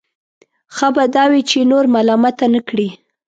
ښه به دا وي چې نور ملامته نه کړي.